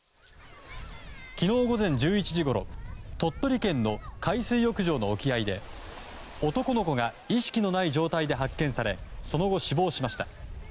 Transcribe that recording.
昨日午前１１時ごろ鳥取県の海水浴場の沖合で男の子が意識のない状態で発見されその後、死亡しました。